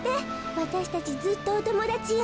わたしたちずっとおともだちよ。